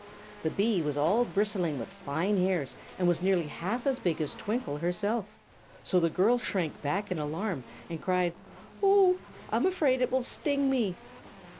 The bee was all bristling with fine hairs and was nearly half as big as Twinkle herself; so the girl shrank back in alarm, and cried: "Oh h h! I'm afraid it will sting me!"